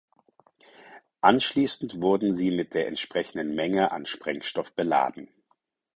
Anschließend wurden sie mit der entsprechenden Menge an Sprengstoff beladen.